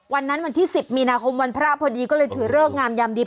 วันที่๑๐มีนาคมวันพระพอดีก็เลยถือเลิกงามยามดี